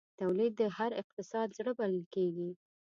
تولید د هر اقتصاد زړه بلل کېږي.